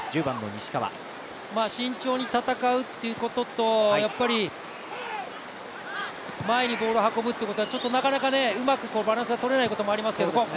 慎重に戦うということと、前にボールを運ぶということはちょっとなかなかうまくバランスが取れないこともありますけど。